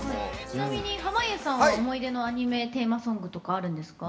ちなみに濱家さんは思い出のアニメテーマソングとかあるんですか？